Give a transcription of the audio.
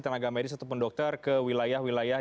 tenaga medis ataupun dokter ke wilayah wilayah